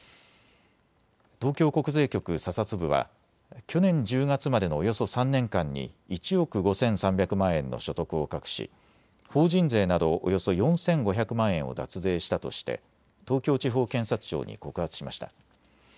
東京国税局査察部は去年１０月までのおよそ３年間に１億５３００万円の所得を隠し法人税などおよそ４５００万円を脱税したとして東京地方検察庁に告発しました。